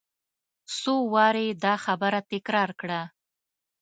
څو وارې یې دا خبره تکرار کړه.